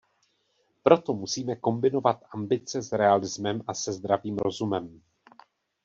Proto musíme kombinovat ambice s realismem a se zdravým rozumem.